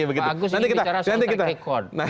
bagus sih bicara tentang kekon